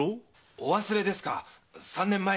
お忘れですか三年前に。